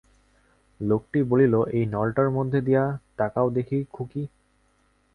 লোকটি বলিল, এই নলটার মধ্যে দিয়া তাকাও দেখি খুকি?